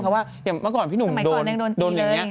อย่างเมื่อก่อนพี่หนุ่มโดนอย่างนี้